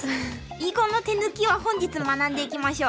囲碁の手抜きは本日学んでいきましょう。